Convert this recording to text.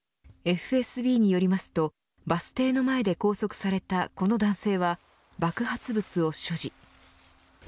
ＦＳＢによりますとバス停の前で拘束されたこの男性は爆発物を所持。